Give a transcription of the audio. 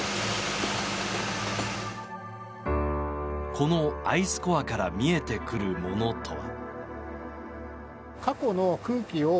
このアイスコアから見えてくるものとは。